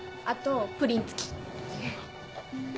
あとプリン付き。